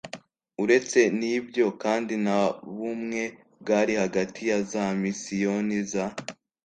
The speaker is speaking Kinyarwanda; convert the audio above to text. uretse n ibyo kandi nta bumwe bwari hagati ya za misiyoni za